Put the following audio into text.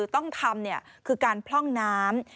ต้องทำคือการพร่องน้ำ